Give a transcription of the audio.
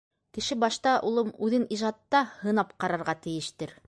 Кеше башта, улым, үҙен ижадта һынап ҡарарға тейештер...